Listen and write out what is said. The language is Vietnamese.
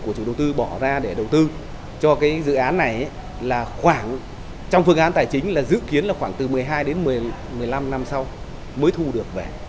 chủ đầu tư bỏ ra để đầu tư cho cái dự án này là khoảng trong phương án tài chính là dự kiến là khoảng từ một mươi hai đến một mươi năm năm sau mới thu được về